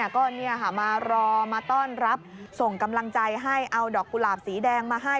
ก็มารอมาต้อนรับส่งกำลังใจให้เอาดอกกุหลาบสีแดงมาให้